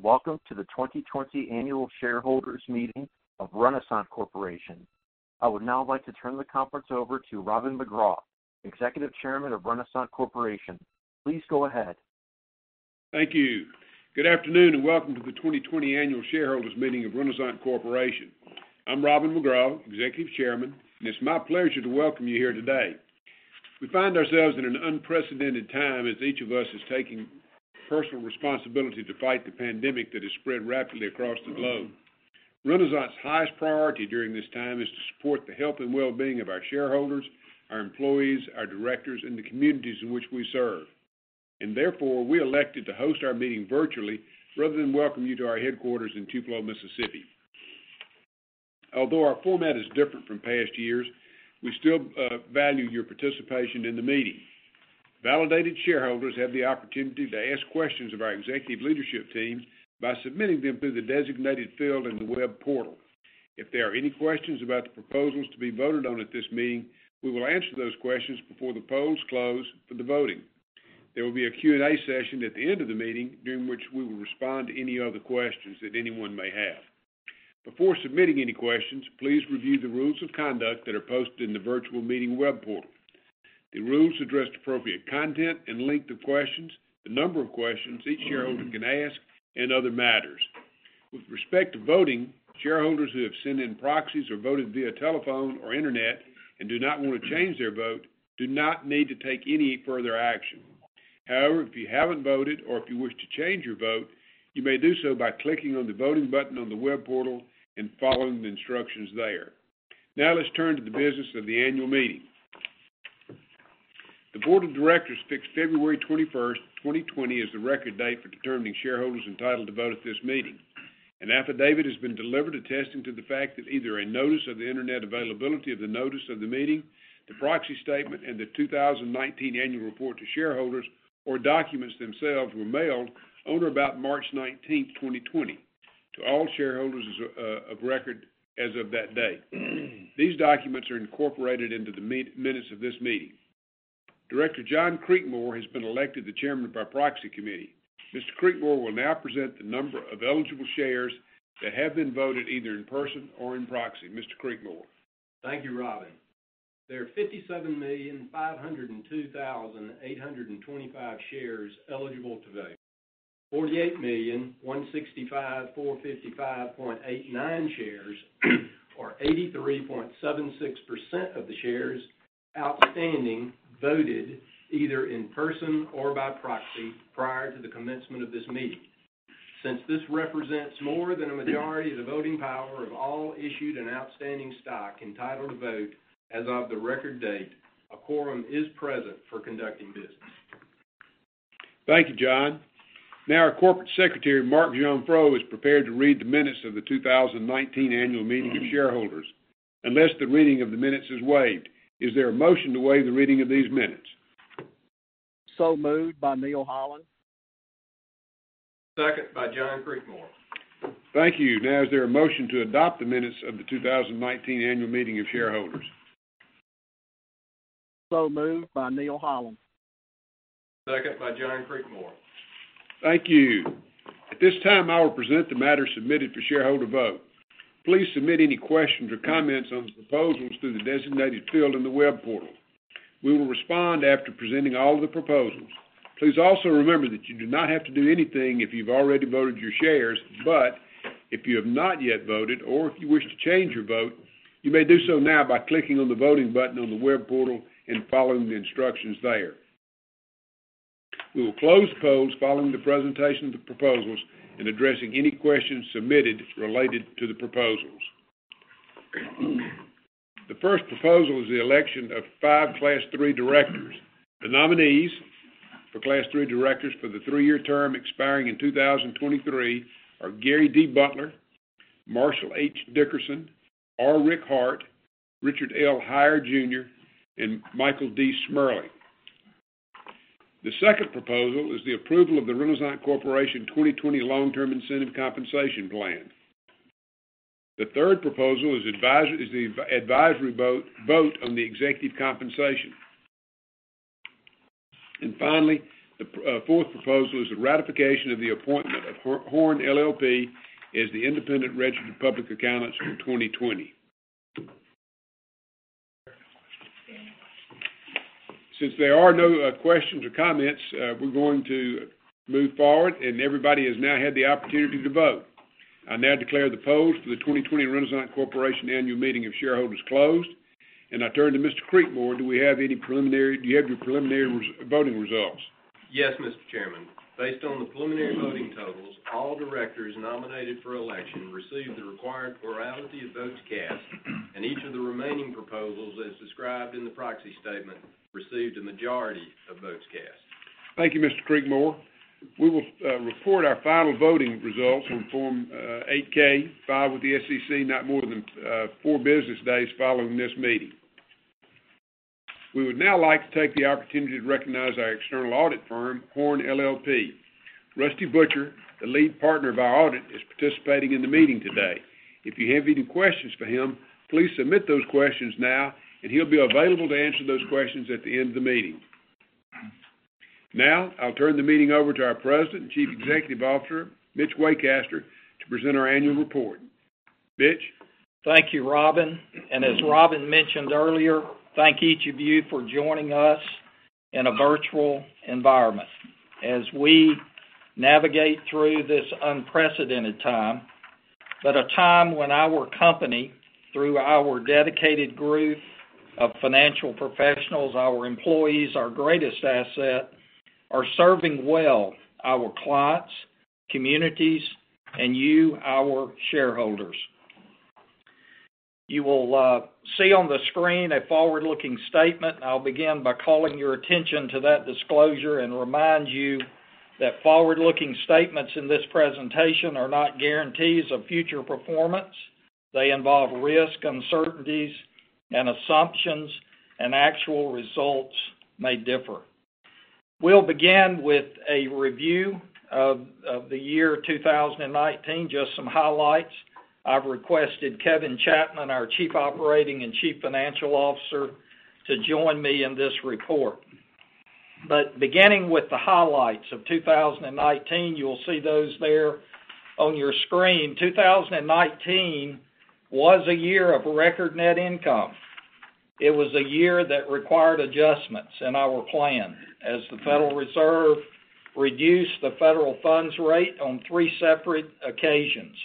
Welcome to the 2020 annual shareholders meeting of Renasant Corporation. I would now like to turn the conference over to Robin McGraw, Executive Chairman of Renasant Corporation. Please go ahead. Thank you. Good afternoon, and welcome to the 2020 annual shareholders meeting of Renasant Corporation. I'm Robin McGraw, Executive Chairman. It's my pleasure to welcome you here today. We find ourselves in an unprecedented time as each of us is taking personal responsibility to fight the pandemic that has spread rapidly across the globe. Renasant's highest priority during this time is to support the health and well-being of our shareholders, our employees, our directors, and the communities in which we serve. Therefore, we elected to host our meeting virtually rather than welcome you to our headquarters in Tupelo, Mississippi. Although our format is different from past years, we still value your participation in the meeting. Validated shareholders have the opportunity to ask questions of our executive leadership team by submitting them through the designated field in the web portal. If there are any questions about the proposals to be voted on at this meeting, we will answer those questions before the polls close for the voting. There will be a Q&A session at the end of the meeting, during which we will respond to any other questions that anyone may have. Before submitting any questions, please review the rules of conduct that are posted in the virtual meeting web portal. The rules address appropriate content and length of questions, the number of questions each shareholder can ask, and other matters. With respect to voting, shareholders who have sent in proxies or voted via telephone or internet and do not want to change their vote do not need to take any further action. If you haven't voted or if you wish to change your vote, you may do so by clicking on the voting button on the web portal and following the instructions there. Let's turn to the business of the annual meeting. The board of directors fixed February 21st, 2020, as the record date for determining shareholders entitled to vote at this meeting. An affidavit has been delivered attesting to the fact that either a notice of the internet availability of the notice of the meeting, the proxy statement, and the 2019 annual report to shareholders or documents themselves were mailed on or about March 19th, 2020, to all shareholders as of record as of that day. These documents are incorporated into the minutes of this meeting. Director John Creekmore has been elected the chairman of our proxy committee. Mr. Creekmore will now present the number of eligible shares that have been voted either in person or in proxy. Mr. Creekmore. Thank you, Robin. There are 57,502,825 shares eligible to vote. 48,165,455.89 shares, or 83.76% of the shares outstanding, voted either in person or by proxy prior to the commencement of this meeting. Since this represents more than a majority of the voting power of all issued and outstanding stock entitled to vote as of the record date, a quorum is present for conducting business. Thank you, John. Now our Corporate Secretary, Mark Gionfriddo, is prepared to read the minutes of the 2019 annual meeting of shareholders. Unless the reading of the minutes is waived, is there a motion to waive the reading of these minutes? Moved by Neal Holland. Second by John Creekmore. Thank you. Is there a motion to adopt the minutes of the 2019 annual meeting of shareholders? Moved by Neal Holland. Second by John Creekmore. Thank you. At this time, I will present the matters submitted for shareholder vote. Please submit any questions or comments on the proposals through the designated field in the web portal. We will respond after presenting all of the proposals. Please also remember that you do not have to do anything if you've already voted your shares. If you have not yet voted or if you wish to change your vote, you may do so now by clicking on the voting button on the web portal and following the instructions there. We will close the polls following the presentation of the proposals and addressing any questions submitted related to the proposals. The first proposal is the election of five Class III directors. The nominees for Class III directors for the three-year term expiring in 2023 are Gary D. Butler, Marshall H. Dickerson, R. Rick Hart, Richard L. Heyer Jr., and Michael D. Shmerling. The second proposal is the approval of the Renasant Corporation 2020 Long-Term Incentive Compensation Plan. The third proposal is the advisory vote on the executive compensation. Finally, the fourth proposal is the ratification of the appointment of HORNE LLP as the independent registered public accountants for 2020. Since there are no questions or comments, we're going to move forward, and everybody has now had the opportunity to vote. I now declare the polls for the 2020 Renasant Corporation annual meeting of shareholders closed, and I turn to Mr. Creekmore. Do you have your preliminary voting results? Yes, Mr. Chairman. Based on the preliminary voting totals, all directors nominated for election received the required plurality of votes cast, and each of the remaining proposals as described in the proxy statement received a majority of votes cast. Thank you, Mr. Creekmore. We will report our final voting results on Form 8-K filed with the SEC not more than four business days following this meeting. We would now like to take the opportunity to recognize our external audit firm, HORNE LLP. Rusty Butcher, the lead partner of our audit, is participating in the meeting today. If you have any questions for him, please submit those questions now, and he'll be available to answer those questions at the end of the meeting. I'll turn the meeting over to our President and Chief Executive Officer, Mitch Waycaster, to present our annual report. Mitch? Thank you, Robin. As Robin mentioned earlier, thank each of you for joining us in a virtual environment as we navigate through this unprecedented time, but a time when our company, through our dedicated group of financial professionals, our employees, our greatest asset, are serving well our clients, communities, and you, our shareholders. You will see on the screen a forward-looking statement, and I'll begin by calling your attention to that disclosure and remind you that forward-looking statements in this presentation are not guarantees of future performance. They involve risk, uncertainties, and assumptions, and actual results may differ. We'll begin with a review of the year 2019, just some highlights. I've requested Kevin Chapman, our Chief Operating and Chief Financial Officer, to join me in this report. Beginning with the highlights of 2019, you'll see those there on your screen. 2019 was a year of record net income. It was a year that required adjustments in our plan as the Federal Reserve reduced the federal funds rate on three separate occasions.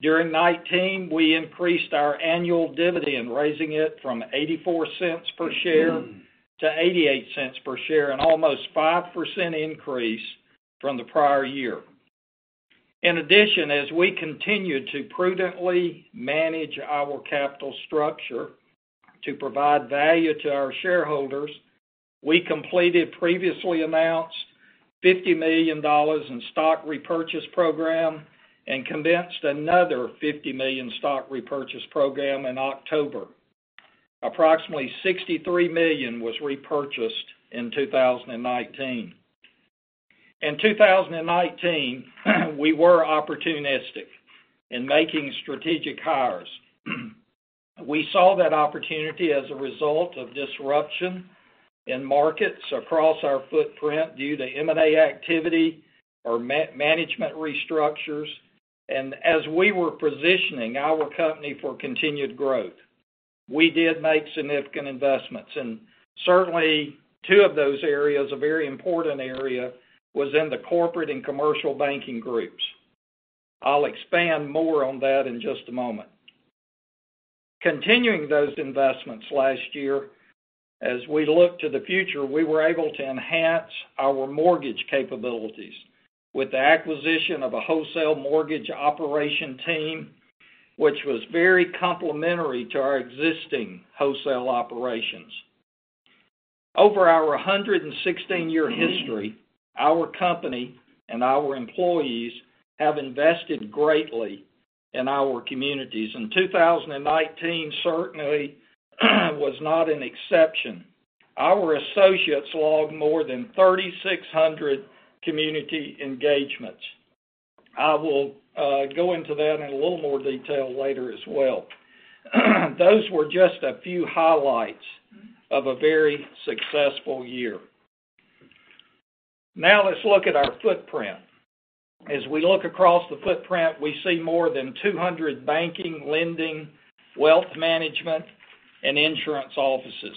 During 2019, we increased our annual dividend, raising it from $0.84 per share to $0.88 per share, an almost 5% increase from the prior year. As we continued to prudently manage our capital structure to provide value to our shareholders, we completed previously announced $50 million in stock repurchase program and commenced another $50 million stock repurchase program in October. Approximately $63 million was repurchased in 2019. In 2019, we were opportunistic in making strategic hires. We saw that opportunity as a result of disruption in markets across our footprint due to M&A activity or management restructures. As we were positioning our company for continued growth, we did make significant investments. Certainly, two of those areas, a very important areas, was in the corporate and commercial banking groups. I'll expand more on that in just a moment. Continuing those investments last year, as we look to the future, we were able to enhance our mortgage capabilities with the acquisition of a wholesale mortgage operation team, which was very complementary to our existing wholesale operations. Over our 116-year history, our company and our employees have invested greatly in our communities, and 2019 certainly was not an exception. Our associates logged more than 3,600 community engagements. I will go into that in a little more detail later as well. Those were just a few highlights of a very successful year. Now let's look at our footprint. As we look across the footprint, we see more than 200 banking, lending, wealth management, and insurance offices.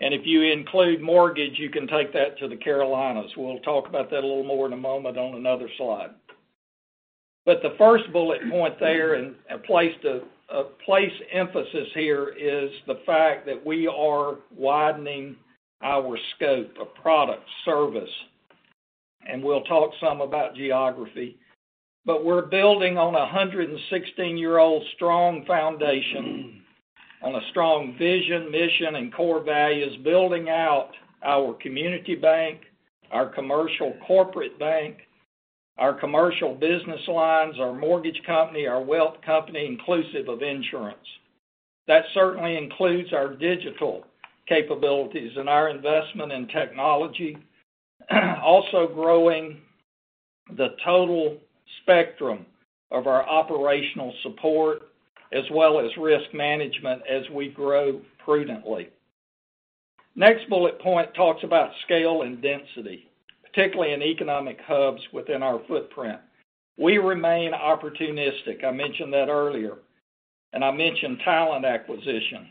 If you include mortgage, you can take that to the Carolinas. We'll talk about that a little more in a moment on another slide. The first bullet point there, and place emphasis here, is the fact that we are widening our scope of product services. We'll talk some about geography, but we're building on a 116-year-old strong foundation, on a strong vision, mission, and core values, building out our community bank, our commercial corporate bank, our commercial business lines, our mortgage company, our wealth company, inclusive of insurance. That certainly includes our digital capabilities and our investment in technology. Also growing the total spectrum of our operational support as well as risk management as we grow prudently. Next bullet point talks about scale and density, particularly in economic hubs within our footprint. We remain opportunistic. I mentioned that earlier. I mentioned talent acquisition.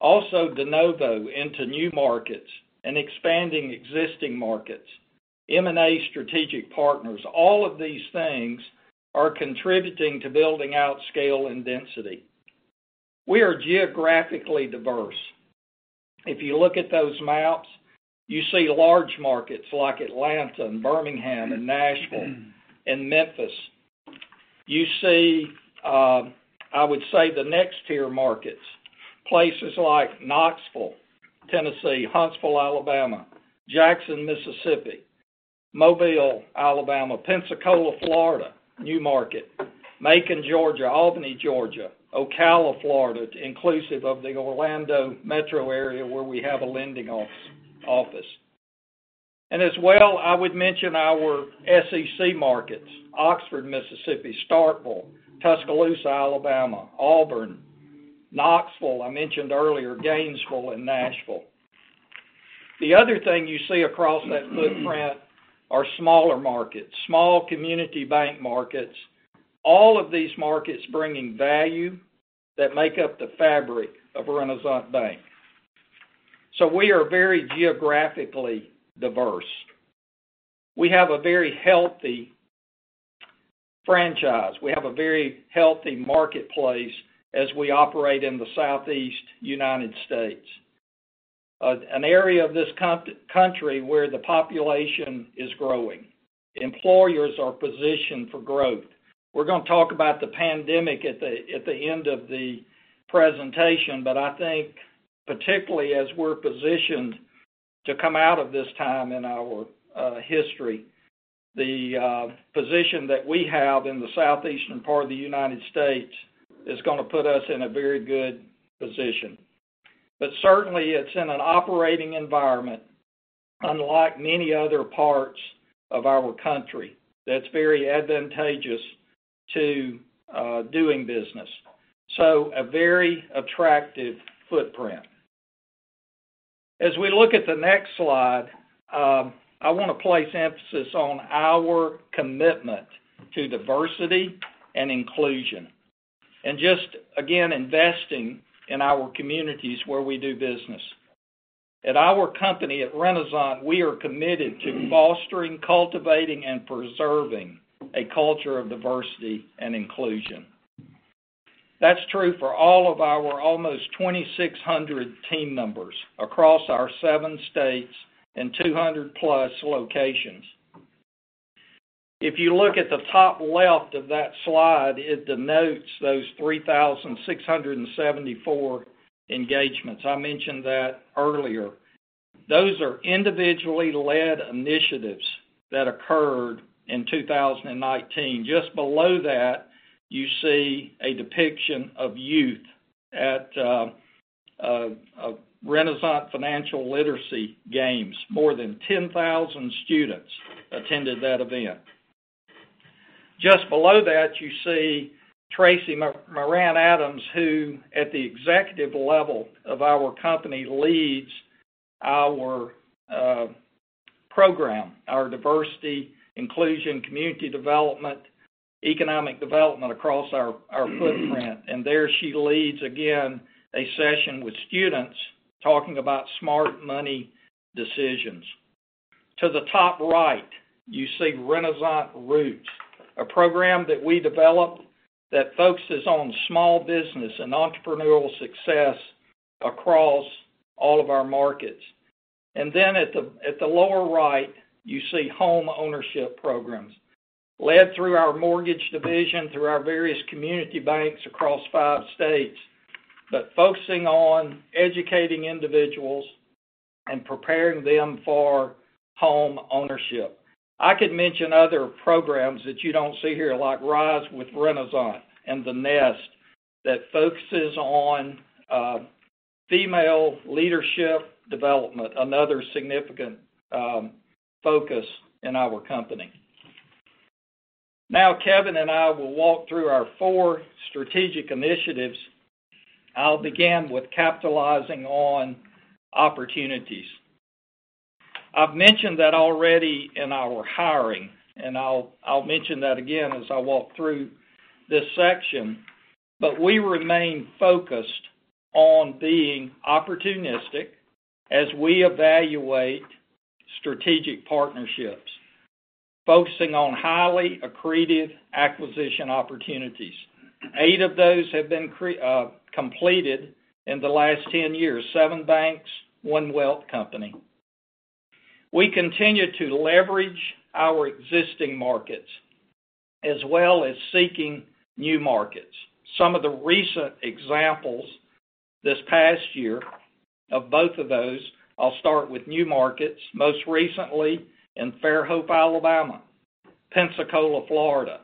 Also, de novo into new markets and expanding existing markets, M&A strategic partners, all of these things are contributing to building out scale and density. We are geographically diverse. If you look at those maps, you see large markets like Atlanta and Birmingham and Nashville and Memphis. You see, I would say the next-tier markets, places like Knoxville, Tennessee; Huntsville, Alabama; Jackson, Mississippi; Mobile, Alabama; Pensacola, Florida; new market, Macon, Georgia; Albany, Georgia, Ocala, Florida, inclusive of the Orlando metro area where we have a lending office. As well, I would mention our SEC markets: Oxford, Mississippi; Starkville; Tuscaloosa, Alabama; Auburn; Knoxville, I mentioned earlier Gainesville and Nashville. The other thing you see across that footprint are smaller markets, small community bank markets, all of these markets bringing value that make up the fabric of Renasant Corporation. We are very geographically diverse. We have a very healthy franchise. We have a very healthy marketplace as we operate in the Southeast U.S., an area of this country where the population is growing. Employers are positioned for growth. We're going to talk about the pandemic at the end of the presentation, but I think particularly as we're positioned to come out of this time in our history, the position that we have in the southeastern part of the U.S. is going to put us in a very good position. Certainly, it's in an operating environment unlike many other parts of our country, that's very advantageous to doing business. A very attractive footprint. As we look at the next slide, I want to place emphasis on our commitment to diversity and inclusion and, just again, investing in our communities where we do business. At our company, at Renasant, we are committed to fostering, cultivating, and preserving a culture of diversity and inclusion. That's true for all of our almost 2,600 team members across our seven states and 200-plus locations. If you look at the top left of that slide, it denotes those 3,674 engagements. I mentioned that earlier. Those are individually led initiatives that occurred in 2019. Just below that, you see a depiction of youth at a Renasant Financial Literacy Games. More than 10,000 students attended that event. Just below that, you see Tracey Morant Adams, who at the executive level of our company, leads our program, our diversity, inclusion, community development, economic development across our footprint. There she leads, again, a session with students talking about smart money decisions. To the top right, you see Renasant Roots, a program that we developed that focuses on small business and entrepreneurial success across all of our markets. At the lower right, you see homeownership programs led through our mortgage division, through our various community banks across five states, focusing on educating individuals and preparing them for homeownership. I could mention other programs that you don't see here, like Rise with Renasant and The Nest, that focuses on female leadership development, another significant focus in our company. Kevin and I will walk through our four strategic initiatives. I'll begin with capitalizing on opportunities. I've mentioned that already in our hiring, and I'll mention that again as I walk through this section. We remain focused on being opportunistic as we evaluate strategic partnerships, focusing on highly accretive acquisition opportunities. Eight of those have been completed in the last 10 years: seven banks, one wealth company. We continue to leverage our existing markets, as well as seeking new markets. Some of the recent examples this past year of both of those: I'll start with new markets, most recently in Fairhope, Alabama, Pensacola, Florida.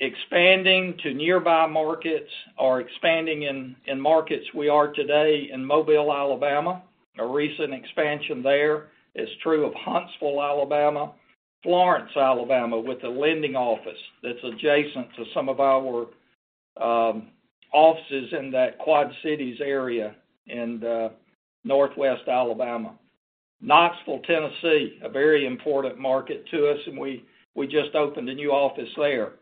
Expanding to nearby markets or expanding in markets we are today in Mobile, Alabama, a recent expansion there. It's true of Huntsville, Alabama; Florence, Alabama, with a lending office that's adjacent to some of our offices in that Quad Cities area in Northwest Alabama. Knoxville, Tennessee, a very important market to us, and we just opened a new office there,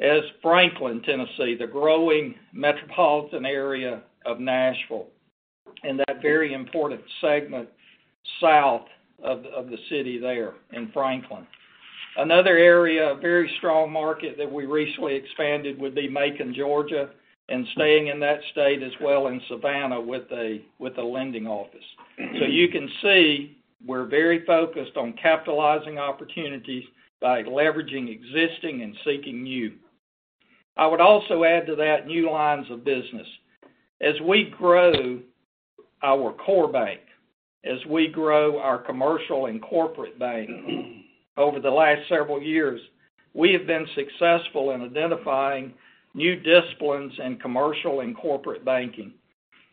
as Franklin, Tennessee, the growing metropolitan area of Nashville, and that very important segment south of the city there in Franklin. Another area, a very strong market that we recently expanded, would be Macon, Georgia, and staying in that state as well in Savannah with a lending office. You can see we're very focused on capitalizing opportunities by leveraging existing and seeking new. I would also add to that new lines of business. As we grow our core bank, as we grow our commercial and corporate bank over the last several years, we have been successful in identifying new disciplines in commercial and corporate banking,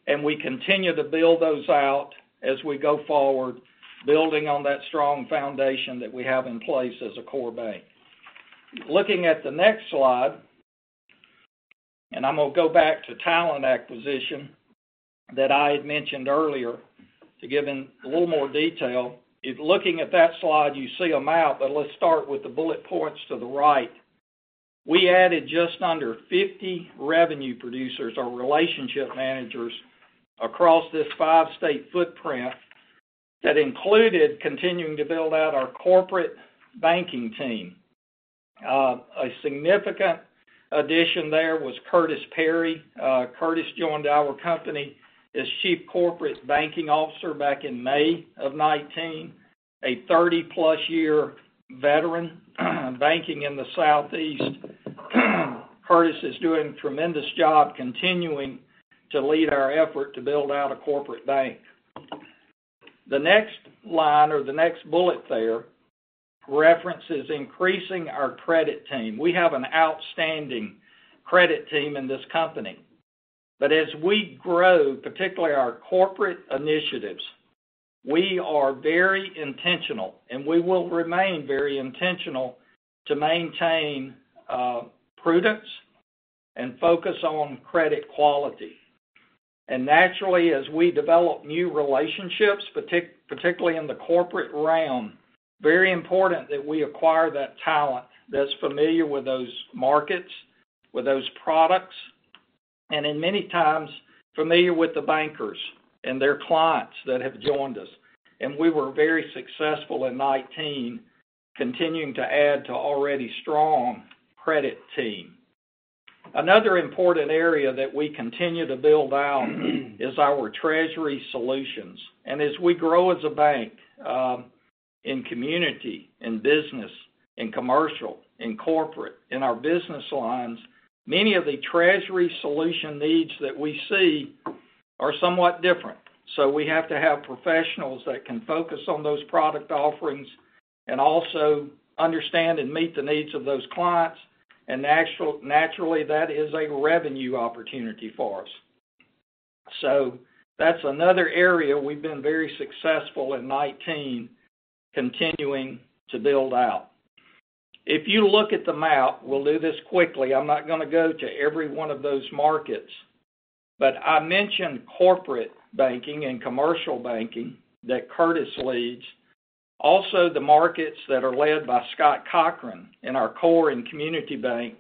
and we continue to build those out as we go forward, building on that strong foundation that we have in place as a core bank. Looking at the next slide, I'm going to go back to talent acquisition that I had mentioned earlier to give in a little more detail. If looking at that slide, you see a map. Let's start with the bullet points to the right. We added just under 50 revenue producers or relationship managers across this five-state footprint that included continuing to build out our corporate banking team. A significant addition there was Curtis Perry. Curtis joined our company as Chief Corporate Banking Officer back in May of 2019. A 30-plus-year veteran banking in the Southeast. Curtis is doing a tremendous job continuing to lead our effort to build out a corporate bank. The next line or the next bullet there references increasing our credit team. We have an outstanding credit team in this company. As we grow, particularly our corporate initiatives, we are very intentional, and we will remain very intentional to maintain prudence and focus on credit quality. Naturally, as we develop new relationships, particularly in the corporate realm, very important that we acquire that talent that's familiar with those markets, with those products, and in many times, familiar with the bankers and their clients that have joined us. We were very successful in 2019, continuing to add to already strong credit team. Another important area that we continue to build out is our treasury solutions. As we grow as a bank, in community, in business, in commercial, in corporate, in our business lines, many of the treasury solution needs that we see are somewhat different. We have to have professionals that can focus on those product offerings and also understand and meet the needs of those clients. Naturally, that is a revenue opportunity for us. That's another area we've been very successful in 2019 continuing to build out. If you look at the map, we'll do this quickly. I'm not going to go to every one of those markets, but I mentioned corporate banking and commercial banking that Curtis leads. Also, the markets that are led by Scott Cochran in our core and community bank,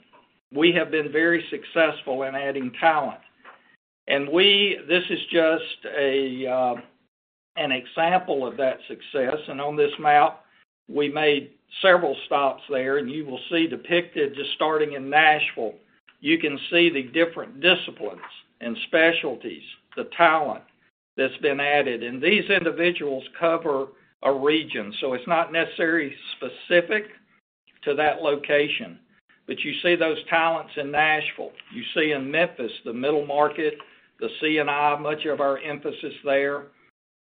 we have been very successful in adding talent. This is just an example of that success. On this map, we made several stops there, and you will see depicted, just starting in Nashville, you can see the different disciplines and specialties, the talent that's been added. These individuals cover a region. It's not necessarily specific to that location. You see those talents in Nashville. You see in Memphis, the middle market, the C&I, much of our emphasis there.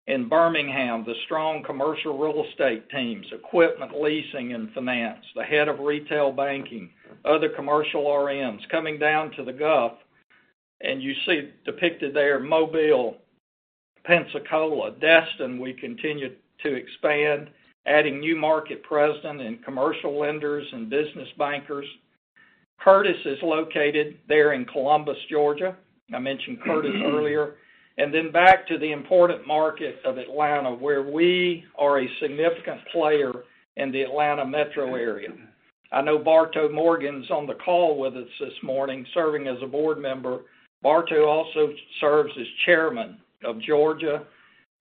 In Birmingham, the strong commercial real estate teams, equipment leasing and finance, the head of retail banking, other commercial RMs. Coming down to the Gulf, you see depicted there Mobile, Pensacola, Destin, we continued to expand, adding new market presidents and commercial lenders and business bankers. Curtis is located there in Columbus, Georgia. I mentioned Curtis earlier. Then back to the important market of Atlanta, where we are a significant player in the Atlanta metro area. I know Bartow Morgan's on the call with us this morning, serving as a board member. Bartow also serves as chairman of Georgia,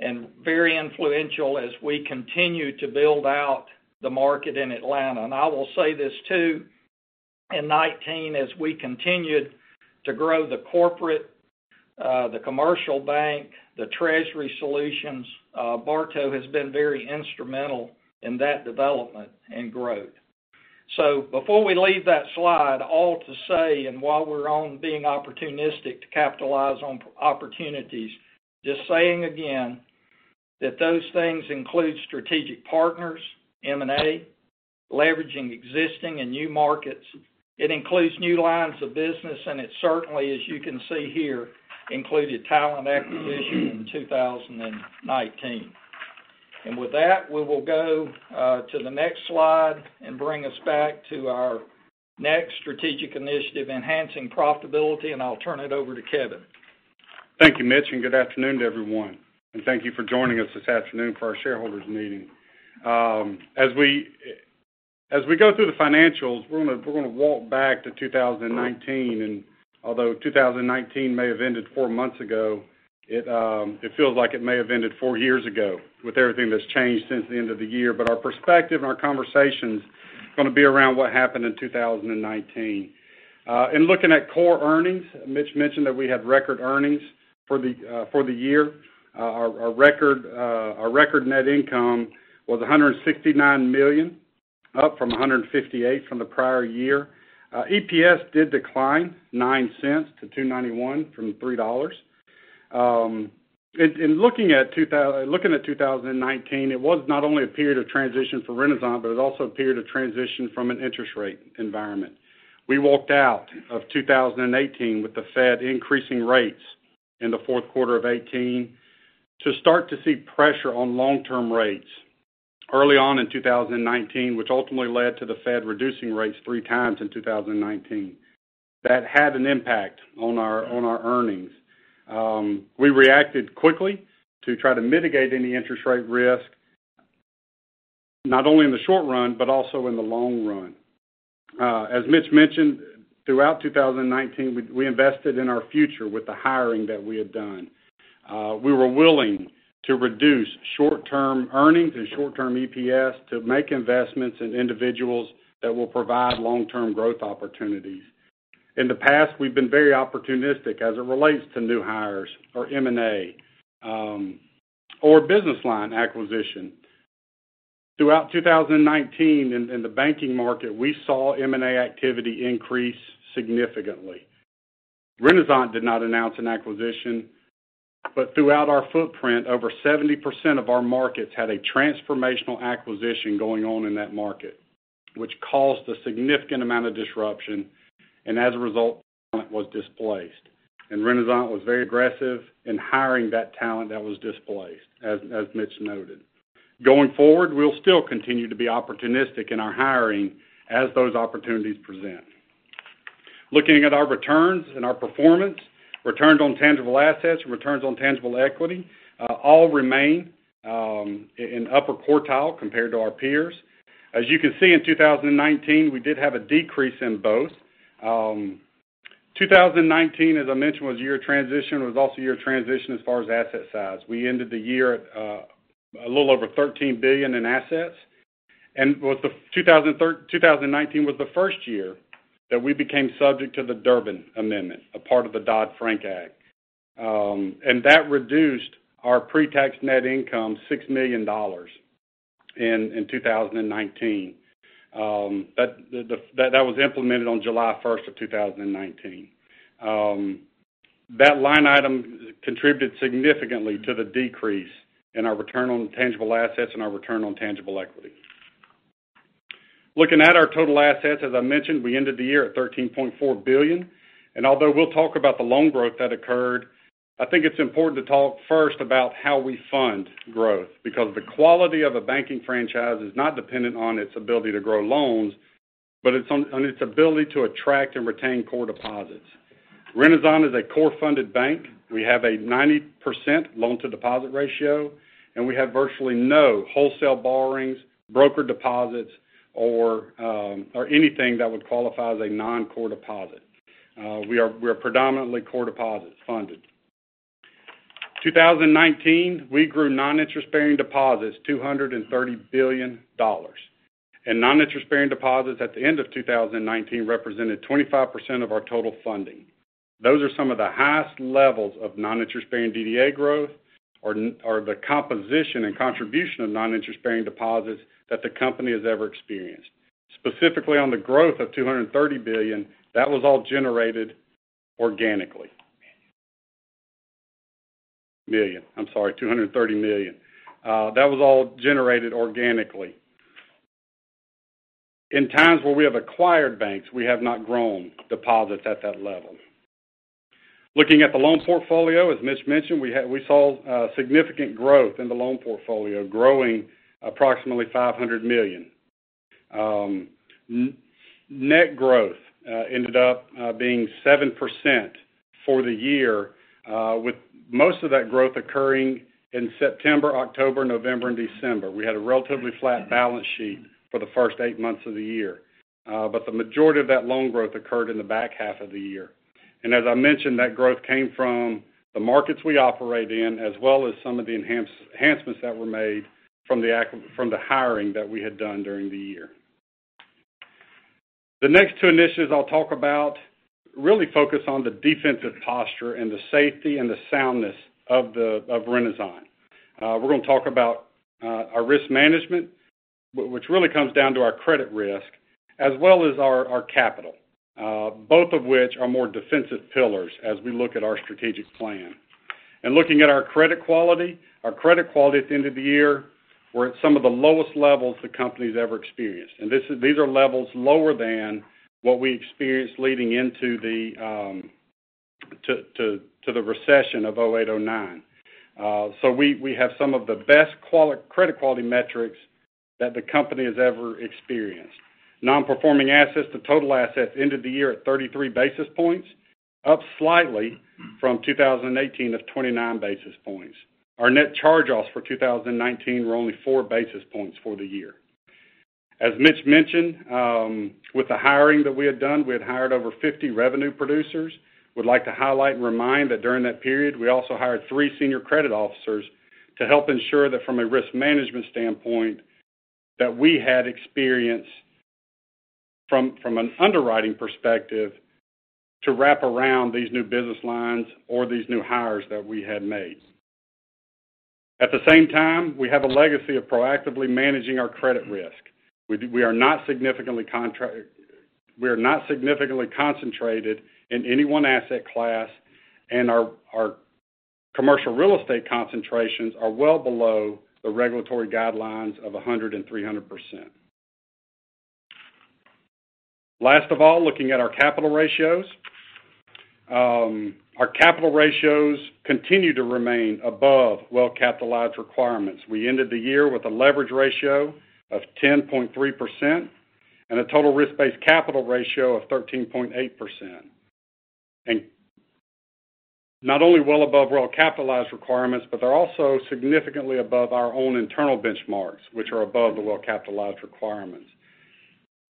and very influential as we continue to build out the market in Atlanta. I will say this, too: in 2019, as we continued to grow the corporate, the commercial bank, the treasury solutions, Bartow has been very instrumental in that development and growth. Before we leave that slide, all to say, and while we're on being opportunistic to capitalize on opportunities, just saying again that those things include strategic partners, M&A, leveraging existing and new markets. It includes new lines of business, and it certainly, as you can see here, included talent acquisition in 2019. With that, we will go to the next slide and bring us back to our next strategic initiative, enhancing profitability, and I'll turn it over to Kevin. Thank you, Mitch, and good afternoon to everyone. Thank you for joining us this afternoon for our shareholders' meeting. As we go through the financials, we're going to walk back to 2019, and although 2019 may have ended four months ago, it feels like it may have ended four years ago with everything that's changed since the end of the year. Our perspective and our conversations are going to be around what happened in 2019. In looking at core earnings, Mitch mentioned that we had record earnings for the year. Our record net income was $169 million, up from $158 million from the prior year. EPS did decline $0.09 to $2.91 from $3.00. In looking at 2019, it was not only a period of transition for Renasant, but it was also a period of transition from an interest rate environment. We walked out of 2018 with the Fed increasing rates in the fourth quarter of 2018 to start to see pressure on long-term rates early on in 2019, which ultimately led to the Fed reducing rates three times in 2019. That had an impact on our earnings. We reacted quickly to try to mitigate any interest rate risk, not only in the short run, but also in the long run. As Mitch mentioned, throughout 2019, we invested in our future with the hiring that we had done. We were willing to reduce short-term earnings and short-term EPS to make investments in individuals that will provide long-term growth opportunities. In the past, we've been very opportunistic as it relates to new hires or M&A, or business line acquisition. Throughout 2019, in the banking market, we saw M&A activity increase significantly. Renasant did not announce an acquisition, but throughout our footprint, over 70% of our markets had a transformational acquisition going on in that market, which caused a significant amount of disruption. As a result, talent was displaced. Renasant was very aggressive in hiring that talent that was displaced, as Mitch noted. Going forward, we'll still continue to be opportunistic in our hiring as those opportunities present. Looking at our returns and our performance, returns on tangible assets, returns on tangible equity, all remain in upper quartile compared to our peers. As you can see, in 2019, we did have a decrease in both. 2019, as I mentioned, was a year of transition. It was also a year of transition as far as asset size. We ended the year at a little over $13 billion in assets. 2019 was the first year that we became subject to the Durbin Amendment, a part of the Dodd-Frank Act. That reduced our pre-tax net income, $6 million in 2019. That was implemented on July 1st of 2019. That line item contributed significantly to the decrease in our return on tangible assets and our return on tangible equity. Looking at our total assets, as I mentioned, we ended the year at $13.4 billion. Although we'll talk about the loan growth that occurred, I think it's important to talk first about how we fund growth, because the quality of a banking franchise is not dependent on its ability to grow loans but on its ability to attract and retain core deposits. Renasant is a core-funded bank. We have a 90% loan-to-deposit ratio, and we have virtually no wholesale borrowings, broker deposits, or anything that would qualify as a non-core deposit. We are predominantly core deposits funded. In 2019, we grew non-interest-bearing deposits $230 million. Non-interest-bearing deposits at the end of 2019 represented 25% of our total funding. Those are some of the highest levels of non-interest-bearing DDA growth, or the composition and contribution of non-interest-bearing deposits that the company has ever experienced. Specifically on the growth of $230 million, that was all generated organically. In times where we have acquired banks, we have not grown deposits at that level. Looking at the loan portfolio, as Mitch mentioned, we saw significant growth in the loan portfolio, growing approximately $500 million. Net growth ended up being 7% for the year, with most of that growth occurring in September, October, November, and December. We had a relatively flat balance sheet for the first eight months of the year. The majority of that loan growth occurred in the back half of the year. As I mentioned, that growth came from the markets we operate in, as well as some of the enhancements that were made from the hiring that we had done during the year. The next two initiatives I'll talk about really focus on the defensive posture and the safety and the soundness of Renasant. We're going to talk about our risk management, which really comes down to our credit risk, as well as our capital, both of which are more defensive pillars as we look at our strategic plan. Looking at our credit quality, our credit quality at the end of the year, we're at some of the lowest levels the company's ever experienced. These are levels lower than what we experienced leading into the recession of 2008, 2009. We have some of the best credit quality metrics that the company has ever experienced. Non-performing assets to total assets ended the year at 33 basis points, up slightly from 2018 of 29 basis points. Our net charge-offs for 2019 were only four basis points for the year. As Mitch mentioned, with the hiring that we had done, we had hired over 50 revenue producers. We'd like to highlight and remind that during that period, we also hired three senior credit officers to help ensure that from a risk management standpoint, that we had experience from an underwriting perspective to wrap around these new business lines or these new hires that we had made. At the same time, we have a legacy of proactively managing our credit risk. We are not significantly concentrated in any one asset class, and our commercial real estate concentrations are well below the regulatory guidelines of 100 and 300%. Last of all, looking at our capital ratios. Our capital ratios continue to remain above well-capitalized requirements. We ended the year with a leverage ratio of 10.3% and a total risk-based capital ratio of 13.8%. Not only well above well-capitalized requirements, but they're also significantly above our own internal benchmarks, which are above the well-capitalized requirements.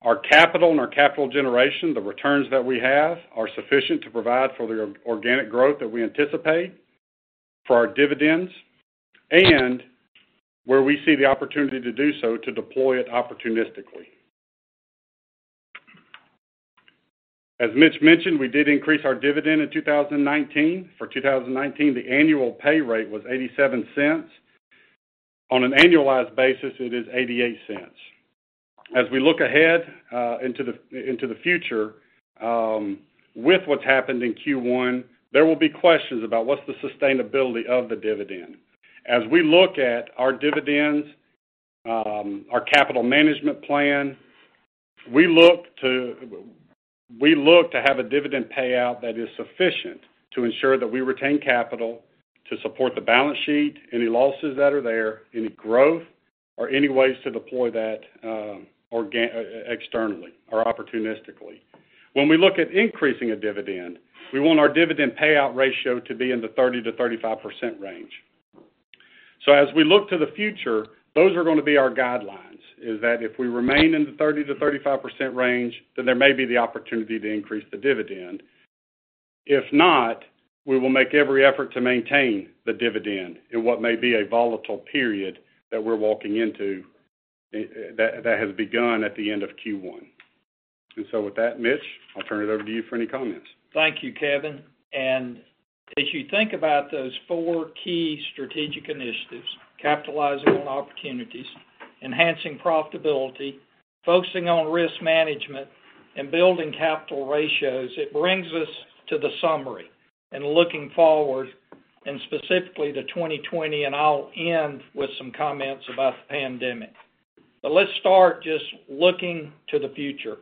Our capital and our capital generation, the returns that we have, are sufficient to provide for the organic growth that we anticipate for our dividends, and where we see the opportunity to do so to deploy it opportunistically. As Mitch mentioned, we did increase our dividend in 2019. For 2019, the annual pay rate was $0.87. On an annualized basis, it is $0.88. As we look ahead into the future, with what's happened in Q1, there will be questions about what's the sustainability of the dividend. As we look at our dividends, our capital management plan, we look to have a dividend payout that is sufficient to ensure that we retain capital to support the balance sheet, any losses that are there, any growth, or any ways to deploy that externally or opportunistically. When we look at increasing a dividend, we want our dividend payout ratio to be in the 30%-35% range. As we look to the future, those are going to be our guidelines, is that if we remain in the 30%-35% range, then there may be the opportunity to increase the dividend. If not, we will make every effort to maintain the dividend in what may be a volatile period that we're walking into that has begun at the end of Q1. With that, Mitch, I'll turn it over to you for any comments. Thank you, Kevin. As you think about those four key strategic initiatives, capitalizing on opportunities, enhancing profitability, focusing on risk management, and building capital ratios, it brings us to the summary and looking forward, and specifically to 2020, and I'll end with some comments about the pandemic. Let's start just looking to the future.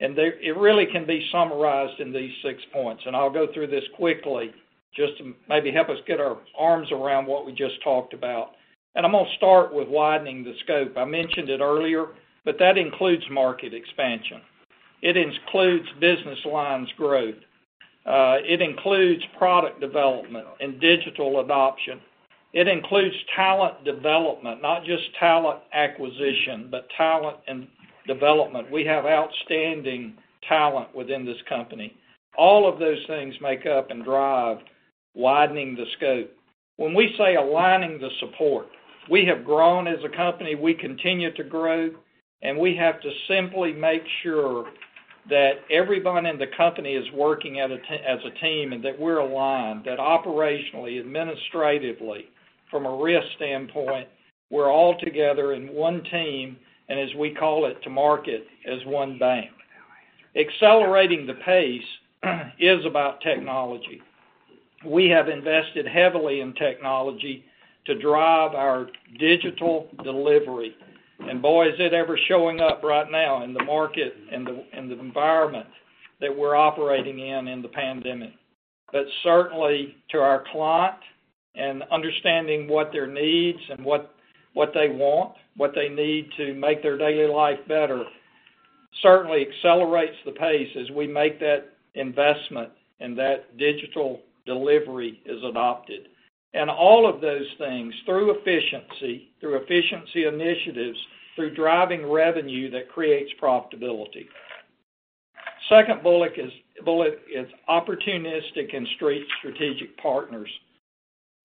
It really can be summarized in these six points, and I'll go through this quickly just to maybe help us get our arms around what we just talked about. I'm going to start with widening the scope. I mentioned it earlier, but that includes market expansion. It includes business lines growth. It includes product development and digital adoption. It includes talent development, not just talent acquisition, but talent and development. We have outstanding talent within this company. All of those things make up and drive widening the scope. When we say aligning the support, we have grown as a company, we continue to grow, and we have to simply make sure that everyone in the company is working as a team and that we're aligned. That operationally, administratively, from a risk standpoint, we're all together in one team, and as we call it to market as one bank. Accelerating the pace is about technology. We have invested heavily in technology to drive our digital delivery. Boy, is it ever showing up right now in the market, in the environment that we're operating in the pandemic? Certainly to our client and understanding what their needs and what they want, what they need to make their daily life better certainly accelerates the pace as we make that investment and that digital delivery is adopted. All of those things through efficiency, through efficiency initiatives, through driving revenue that creates profitability. Second bullet is opportunistic and strategic partners.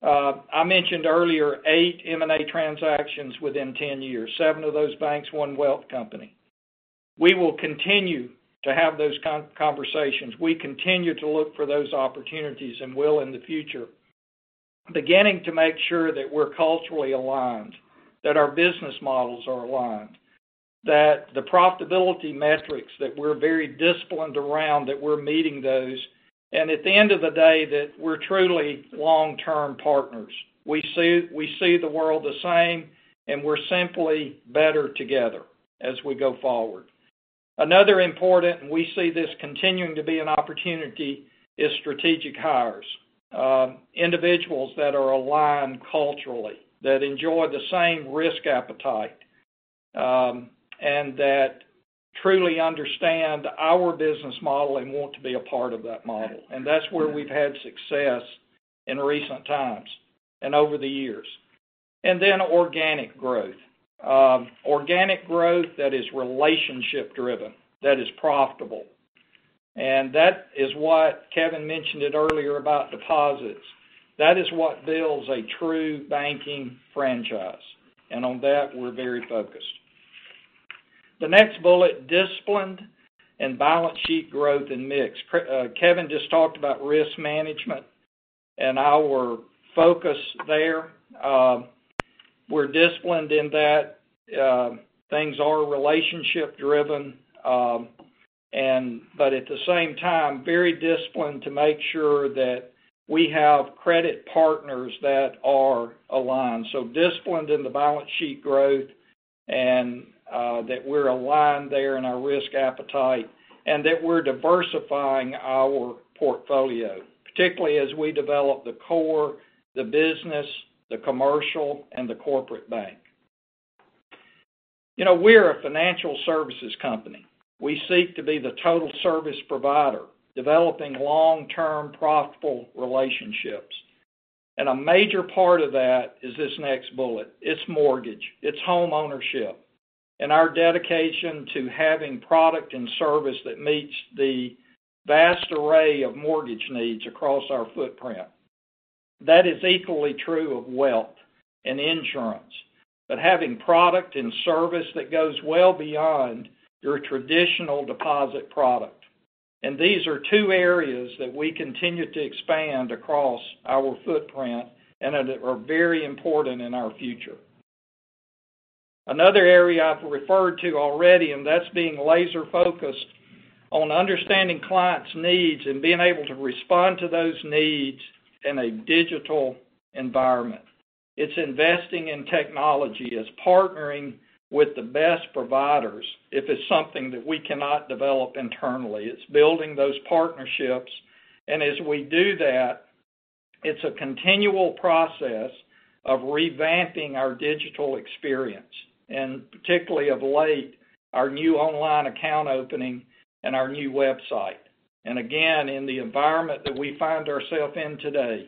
I mentioned earlier eight M&A transactions within 10 years: seven of those banks, one wealth company. We will continue to have those conversations. We continue to look for those opportunities and will in the future. Beginning to make sure that we're culturally aligned, that our business models are aligned, that the profitability metrics that we're very disciplined around that we're meeting those, and at the end of the day, that we're truly long-term partners. We see the world the same, and we're simply better together as we go forward. Another important, and we see this continuing to be an opportunity, is strategic hires. Individuals that are aligned culturally, that enjoy the same risk appetite, and that truly understand our business model and want to be a part of that model. That's where we've had success in recent times and over the years. Organic growth. Organic growth that is relationship-driven, that is profitable. That is what Kevin mentioned it earlier about deposits. That is what builds a true banking franchise. On that, we're very focused. The next bullet, disciplined and balance sheet growth and mix. Kevin just talked about risk management and our focus there. We're disciplined in that things are relationship-driven but, at the same time, very disciplined to make sure that we have credit partners that are aligned. Disciplined in the balance sheet growth, and that we're aligned there in our risk appetite, and that we're diversifying our portfolio, particularly as we develop the core, the business, the commercial, and the Corporate Bank. We're a financial services company. We seek to be the total service provider, developing long-term, profitable relationships. A major part of that is this next bullet. It's mortgage, it's home ownership, and our dedication to having products and services that meets the vast array of mortgage needs across our footprint. That is equally true of wealth and insurance, but having product and service that goes well beyond your traditional deposit product. These are two areas that we continue to expand across our footprint and that are very important in our future. Another area I've referred to already, and that's being laser-focused on understanding clients' needs and being able to respond to those needs in a digital environment. It's investing in technology. It's partnering with the best providers if it's something that we cannot develop internally. It's building those partnerships, and as we do that, it's a continual process of revamping our digital experience, and particularly of late, our new online account opening and our new website. Again, in the environment that we find ourselves in today,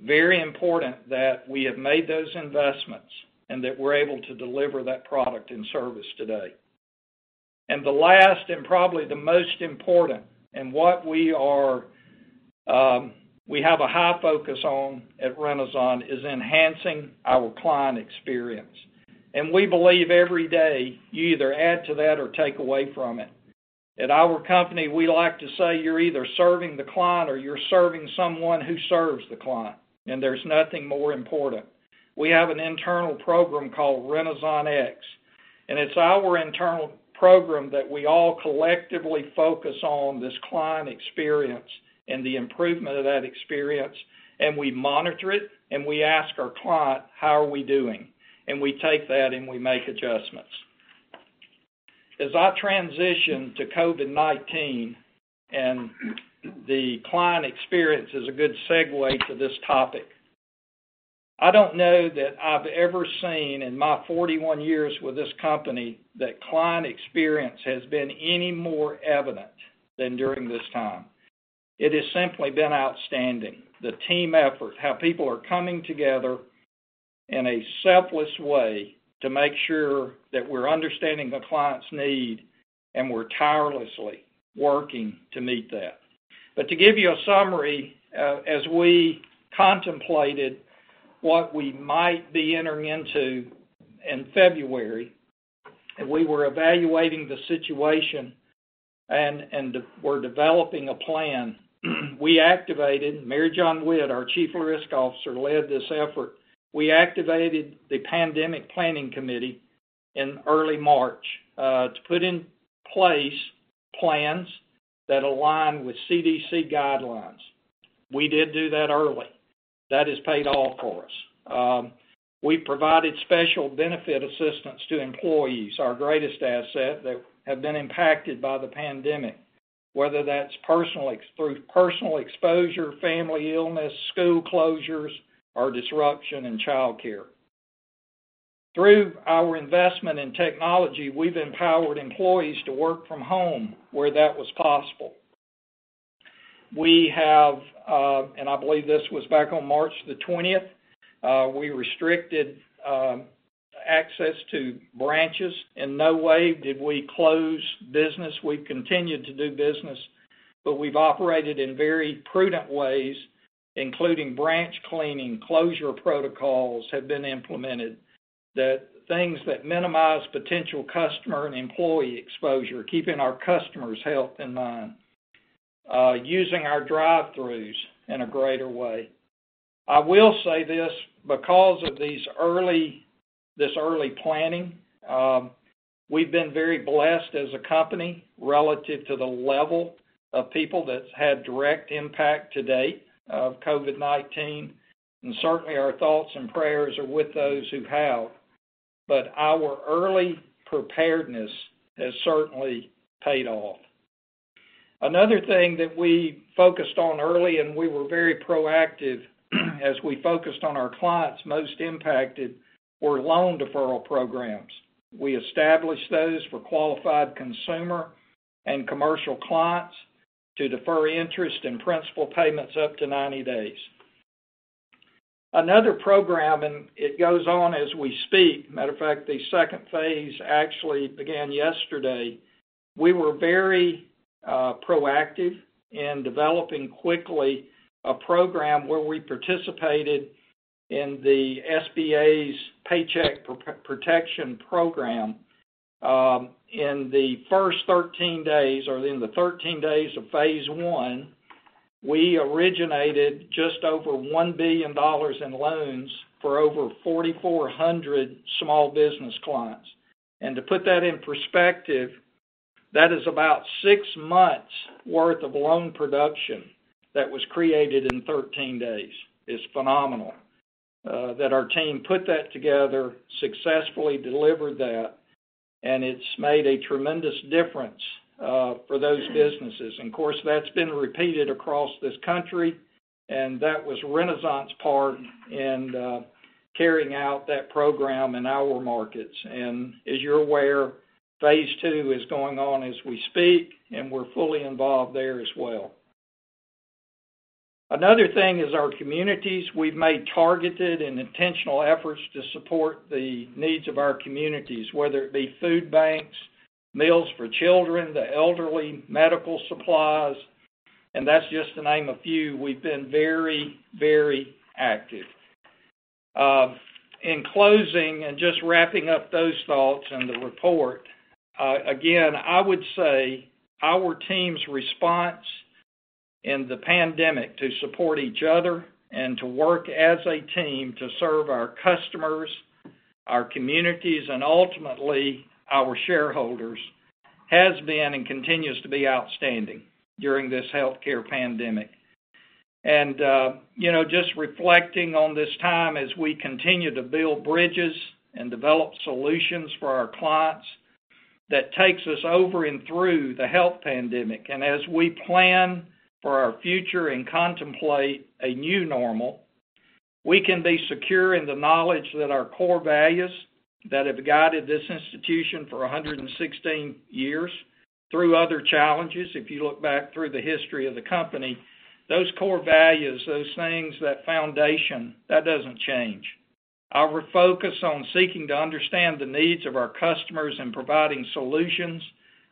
very important that we have made those investments and that we're able to deliver that product and service today. The last, and probably the most important, and what we have a high focus on at Renasant is enhancing our client experience. We believe every day you either add to that or take away from it. At our company, we like to say you're either serving the client or you're serving someone who serves the client, and there's nothing more important. We have an internal program called Renasant X, it's our internal program that we all collectively focus on this client experience and the improvement of that experience, we monitor it; we ask our client, "How are we doing?" We take that, we make adjustments. As I transition to COVID-19, the client experience is a good segue to this topic. I don't know that I've ever seen in my 41 years with this company that client experience has been any more evident than during this time. It has simply been outstanding. The team effort, how people are coming together in a selfless way to make sure that we're understanding the client's needs, we're tirelessly working to meet that. To give you a summary, as we contemplated what we might be entering into in February and we were evaluating the situation and were developing a plan, we activated; Mary-John Witt, our Chief Risk Officer, led this effort. We activated the Pandemic Planning Committee in early March to put in place plans that align with CDC guidelines. We did do that early. That has paid off for us. We provided special benefit assistance to employees, our greatest asset, that have been impacted by the pandemic, whether that's through personal exposure, family illness, school closures, or disruption in child care. Through our investment in technology, we've empowered employees to work from home where that was possible. We have, and I believe this was back on March 20th; we restricted access to branches. In no way did we close business. We've continued to do business, but we've operated in very prudent ways, including branch cleaning, closure protocols have been implemented that things that minimize potential customer and employee exposure, keeping our customers' health in mind, using our drive-throughs in a greater way. I will say this, because of this early planning, we've been very blessed as a company relative to the level of people that's had direct impact to date of COVID-19, and certainly our thoughts and prayers are with those who have, but our early preparedness has certainly paid off. Another thing that we focused on early, and we were very proactive as we focused on our clients most impacted, were loan deferral programs. We established those for qualified consumer and commercial clients to defer interest and principal payments up to 90 days. Another program, it goes on as we speak, matter of fact, the second phase actually began yesterday. We were very proactive in developing quickly a program where we participated in the SBA's Paycheck Protection Program. In the first 13 days, or in the 13 days of phase one, we originated just over $1 billion in loans for over 4,400 small business clients. To put that in perspective, that is about six months' worth of loan production that was created in 13 days. It's phenomenal that our team put that together, successfully delivered that, and it's made a tremendous difference for those businesses. Of course, that's been repeated across this country, and that was Renasant's part in carrying out that program in our markets. As you're aware, phase two is going on as we speak, and we're fully involved there as well. Another thing is our communities. We've made targeted and intentional efforts to support the needs of our communities, whether it be food banks, meals for children, the elderly, medical supplies, and that's just to name a few. We've been very active. In closing, and just wrapping up those thoughts and the report, again, I would say our team's response in the pandemic to support each other and to work as a team to serve our customers, our communities, and ultimately our shareholders has been and continues to be outstanding during this healthcare pandemic. Just reflecting on this time as we continue to build bridges and develop solutions for our clients that takes us over and through the health pandemic, as we plan for our future and contemplate a new normal, we can be secure in the knowledge that our core values that have guided this institution for 116 years through other challenges, if you look back through the history of Renasant, those core values, those things, that foundation, that doesn't change. Our focus on seeking to understand the needs of our customers and providing solutions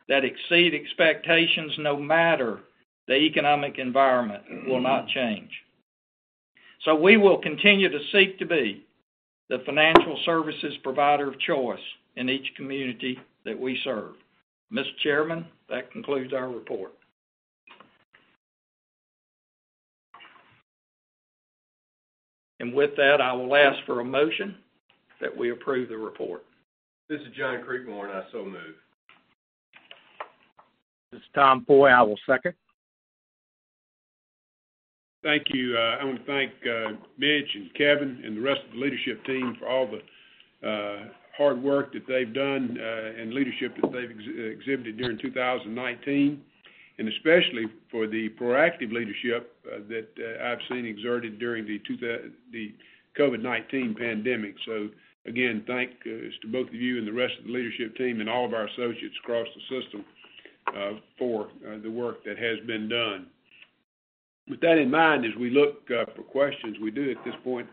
that exceed expectations, no matter the economic environment, will not change. We will continue to seek to be the financial services provider of choice in each community that we serve. Mr. Chairman, that concludes our report. With that, I will ask for a motion that we approve the report. This is John Creekmore, and I so move. This is Tom Foy; I will second. Thank you. I want to thank Mitch and Kevin and the rest of the leadership team for all the hard work that they've done and leadership that they've exhibited during 2019, and especially for the proactive leadership that I've seen exerted during the COVID-19 pandemic. Again, thanks to both of you and the rest of the leadership team and all of our associates across the system for the work that has been done. With that in mind, as we look for questions, we do at this point,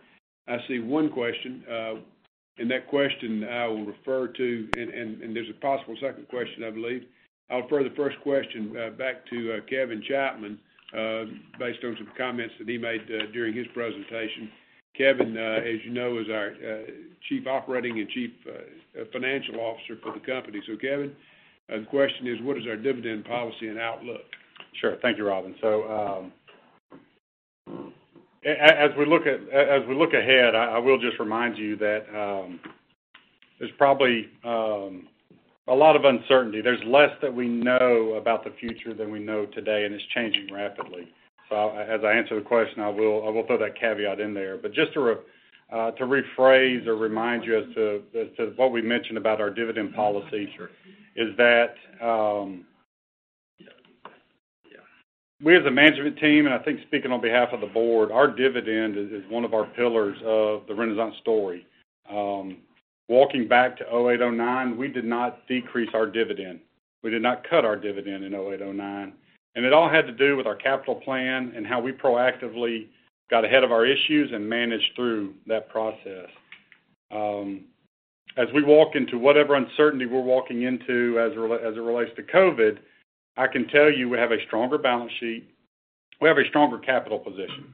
I see one question. That question I will refer to, and there's a possible second question, I believe. I'll refer the first question back to Kevin Chapman, based on some comments that he made during his presentation. Kevin, as you know, is our Chief Operating and Chief Financial Officer for the company. Kevin, the question is, what is our dividend policy and outlook? Sure. Thank you, Robin. As we look ahead, I will just remind you that there's probably a lot of uncertainty. There's less that we know about the future than we know today, and it's changing rapidly. As I answer the question, I will throw that caveat in there. Just to rephrase or remind you as to what we mentioned about our dividend policy. Sure Is that we as a management team, and I think speaking on behalf of the board, our dividend is one of our pillars of the Renasant story. Walking back to 2008, 2009, we did not decrease our dividend. We did not cut our dividend in 2008, 2009. It all had to do with our capital plan and how we proactively got ahead of our issues and managed through that process. As we walk into whatever uncertainty we're walking into as it relates to COVID-19, I can tell you we have a stronger balance sheet. We have a stronger capital position.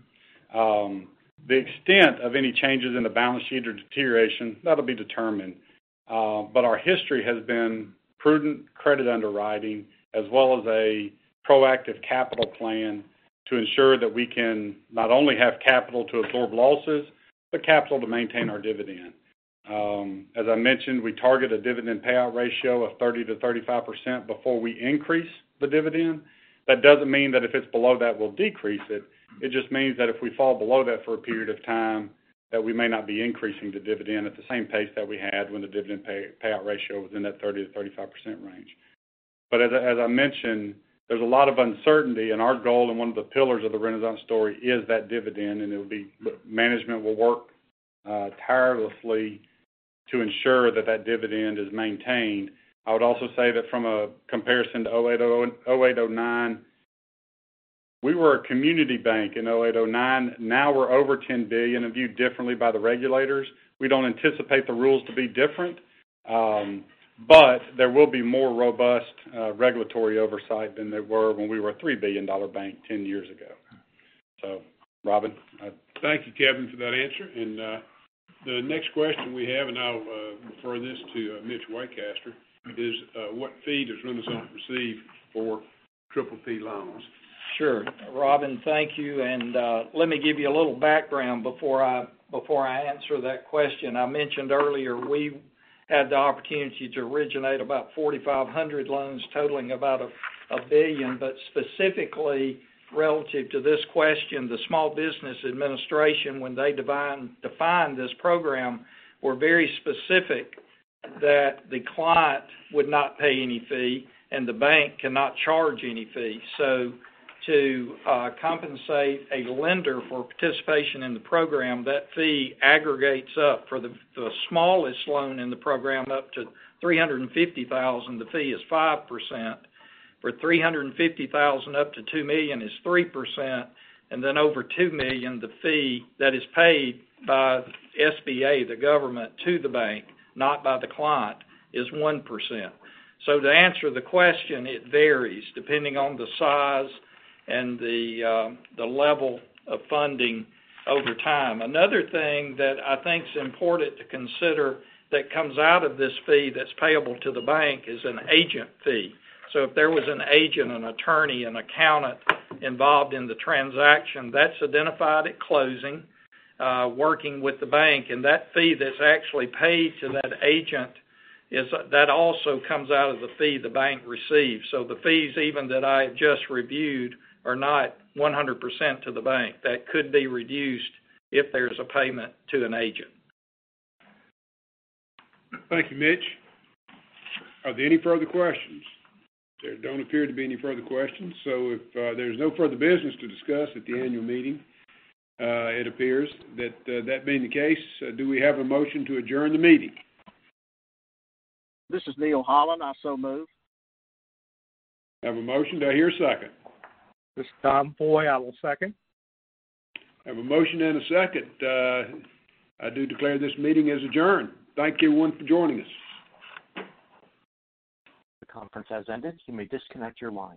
The extent of any changes in the balance sheet or deterioration, that'll be determined. Our history has been prudent credit underwriting as well as a proactive capital plan to ensure that we can not only have capital to absorb losses, but capital to maintain our dividend. As I mentioned, we target a dividend payout ratio of 30%-35% before we increase the dividend. That doesn't mean that if it's below that, we'll decrease it. It just means that if we fall below that for a period of time, that we may not be increasing the dividend at the same pace that we had when the dividend payout ratio was in that 30%-35% range. As I mentioned, there's a lot of uncertainty, and our goal and one of the pillars of the Renasant story is that dividend. Management will work tirelessly to ensure that that dividend is maintained. I would also say that from a comparison to 2008, 2009. We were a community bank in 2008, 2009. Now we're over $10 billion and viewed differently by the regulators. We don't anticipate the rules to be different. There will be more robust regulatory oversight than there were when we were a $3 billion bank 10 years ago. Robin? Thank you, Kevin, for that answer. The next question we have, and I'll refer this to Mitch Waycaster, is what fee does Renasant receive for PPP loans? Sure. Robin, thank you. Let me give you a little background before I answer that question. I mentioned earlier we had the opportunity to originate about 4,500 loans totaling about $1 billion. Specifically relative to this question, the Small Business Administration, when they defined this program, were very specific that the client would not pay any fee and the bank cannot charge any fee. To compensate a lender for participation in the program, that fee aggregates up for the smallest loan in the program, up to $350,000; the fee is 5%. For $350,000 up to $2 million is 3%. Over $2 million, the fee that is paid by SBA, the government, to the bank, not by the client, is 1%. To answer the question, it varies depending on the size and the level of funding over time. Another thing that I think is important to consider that comes out of this fee that's payable to the bank is an agent fee. If there was an agent, an attorney, an accountant involved in the transaction that's identified at closing, working with the bank. That fee that's actually paid to that agent, that also comes out of the fee the bank receives. The fees even that I have just reviewed are not 100% to the bank. That could be reduced if there's a payment to an agent. Thank you, Mitch. Are there any further questions? There don't appear to be any further questions, so if there's no further business to discuss at the annual meeting, it appears that being the case, do we have a motion to adjourn the meeting? This is Neal Holland. I so move. I have a motion. Do I hear a second? This is Tom Foy. I will second. I have a motion and a second. I do declare this meeting is adjourned. Thank you, everyone, for joining us. The conference has ended. You may disconnect your line.